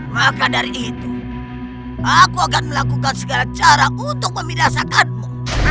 maka dari itu aku akan melakukan segala cara untuk memidasakanmu